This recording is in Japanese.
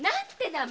名前？